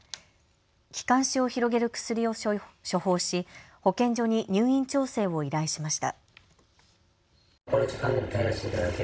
気管支を広げる薬を処方し保健所に入院調整を依頼しました。